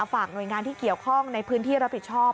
ฝากหน่วยงานที่เกี่ยวข้องในพื้นที่รับผิดชอบ